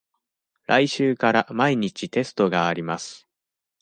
来週から毎日テストがあります。